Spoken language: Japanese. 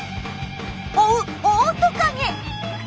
追うオオトカゲ。